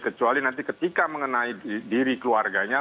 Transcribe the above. kecuali nanti ketika mengenai diri keluarganya